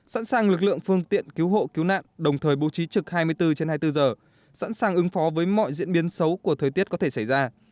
sẵn sàng lực lượng phương tiện cứu hộ cứu nạn đồng thời bố trí trực hai mươi bốn trên hai mươi bốn giờ sẵn sàng ứng phó với mọi diễn biến xấu của thời tiết có thể xảy ra